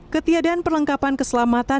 ketia dan perlengkapan keselamatan